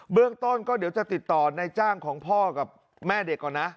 เรื่องต้นก็เดี๋ยวจะติดต่อในจ้างของพ่อกับแม่เด็กก่อนนะ